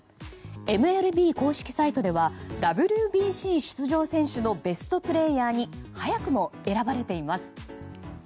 ＭＬＢ公式サイトではＷＢＣ出場選手のベストプレーヤーに早くも選ばれています。